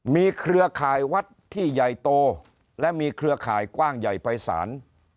มีเครือข่ายวัดที่ใหญ่โตและมีเครือข่ายกว้างใหญ่ไปสาร